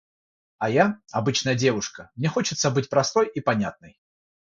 А я - обычная девушка, мне хочется быть простой и понятной.